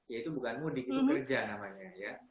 ya itu bukan mudik itu kerja namanya ya